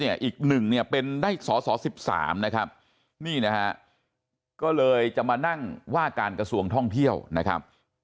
อีก๑เป็นได้สศ๑๓นะครับนี่นะก็เลยจะมานั่งว่าการกระทรวงท่องเที่ยวนะครับ